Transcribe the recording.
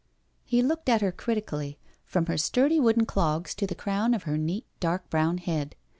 He looked at her critically, from her sturdy wooden clogs to the crown of her neat dark brown head.